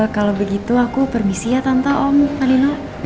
kalau begitu aku permisi ya tante om pak lino